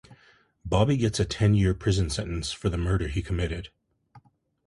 Bobby gets a ten-year prison sentence for the murder he committed.